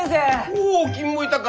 おお君もいたか！